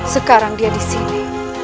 sekarang dia disini